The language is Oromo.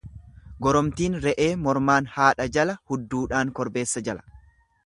Goromtiin re'ee mormaan haadha jala hudduudhaan korbeessa jala.